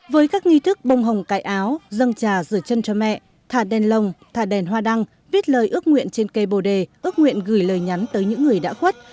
với các nghi thức bông hồng cài áo dâng trà rửa chân cho mẹ thả đèn lồng thả đèn hoa đăng viết lời ước nguyện trên cây bồ đề ước nguyện gửi lời nhắn tới những người đã khuất